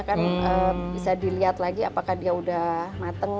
kan bisa dilihat lagi apakah dia udah matang